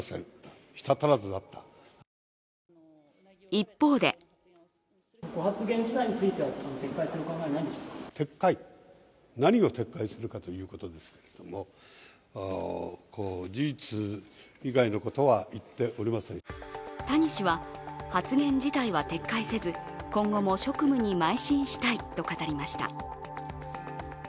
一方で谷氏は発言自体は撤回せず、今後も職務にまい進したいと語りました。